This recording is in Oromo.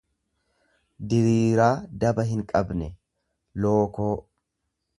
diriiraa daba hinqabne, lookoo.